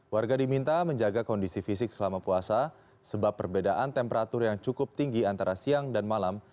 warga diminta menjaga kondisi fisik selama puasa sebab perbedaan temperatur yang cukup tinggi antara siang dan malam